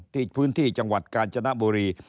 พื้นที่จังหวัดกาญจนบุรี